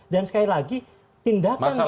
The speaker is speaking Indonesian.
dan sekali lagi tindakan pimpinan sidang